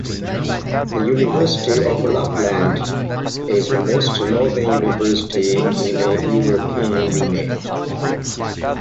The University of Lapland is the most northern university in the European Union.